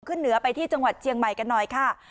เหนือไปที่จังหวัดเชียงใหม่กันหน่อยค่ะ